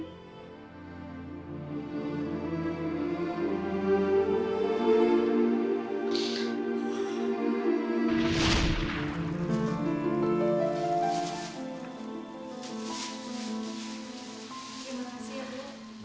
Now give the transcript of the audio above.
baik makasih ya bu